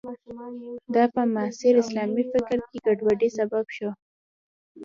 دا په معاصر اسلامي فکر کې ګډوډۍ سبب شو.